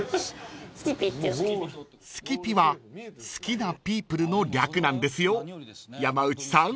［好きピは好きなピープルの略なんですよ山内さん］